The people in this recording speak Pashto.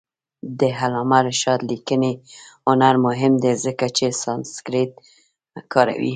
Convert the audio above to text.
د علامه رشاد لیکنی هنر مهم دی ځکه چې سانسکریت کاروي.